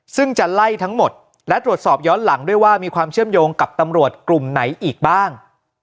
ซึ่งจะไล่ทั้งหมดและตรวจสอบย้อนหลังด้วยว่ามีความเชื่อมโยงกับตำรวจกลุ่มไหนอีกบ้าง